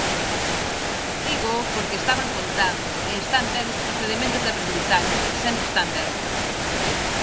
Dígoo porque estaban contando, e están ben os procedementos de aprendizaxe, sempre están ben.